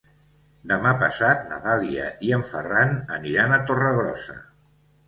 Demà passat na Dàlia i en Ferran aniran a Torregrossa.